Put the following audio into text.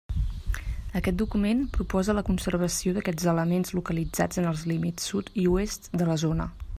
Aquest document proposa la conservació d'aquests elements localitzats en els límits sud i oest de la zona.